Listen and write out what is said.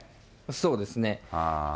そうですね。